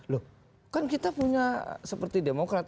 loh kan kita punya seperti demokrat